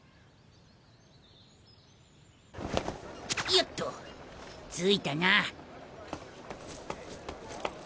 よっと着いたな。